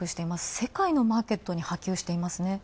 世界のマーケットに波及していますね。